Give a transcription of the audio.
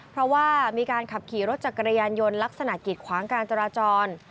เพราะว่ามีการขับขี่รถจักรยานยนต์ลักษณะกิดขวางการจราจร